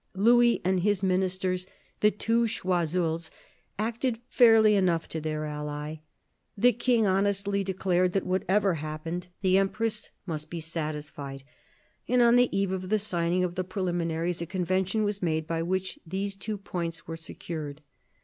Louis and his ministers, the two Choiseuls, acted fairly enough to their ally. The king honestly declared that, whatever happened, the empress must be satisfied ; and, on the eve of the signing of the preliminaries, a convention was made by which these two points were secured.